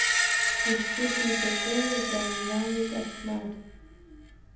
Ишгәыдибакыло дааҩналоит Асмаҭ.